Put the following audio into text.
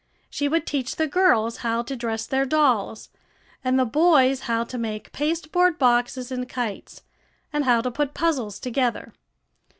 She would teach the girls how to dress their dolls, and the boys how to make pasteboard boxes and kites, and how to put puzzles together.